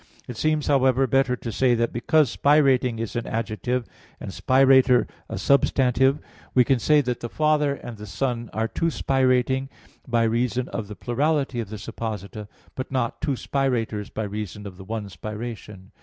It seems, however, better to say that because spirating is an adjective, and spirator a substantive, we can say that the Father and the Son are two spirating, by reason of the plurality of the supposita but not two spirators by reason of the one spiration.